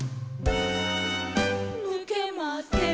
「ぬけません」